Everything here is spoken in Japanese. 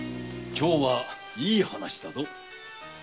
今日はいい話だぞ。